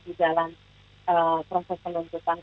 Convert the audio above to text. di dalam proses penuntutan